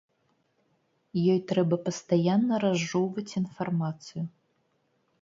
Ёй трэба пастаянна разжоўваць інфармацыю.